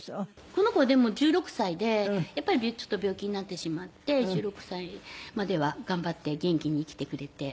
この子はでも１６歳でやっぱりちょっと病気になってしまって１６歳までは頑張って元気に生きてくれて。